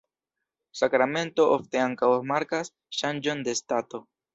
Sakramento ofte ankaŭ markas ŝanĝon de stato.